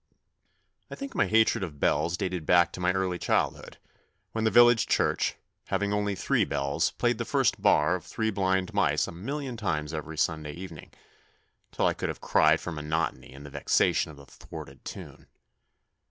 I think my hatred of bells dated back to my early childhood, when the village church, THE NEW BOY 61 having only three bells, played the first bar of " Three Blind Mice " a million times every Sunday evening, till I could have cried for monotony and the vexation of the thwarted tune.